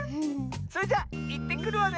それじゃいってくるわね！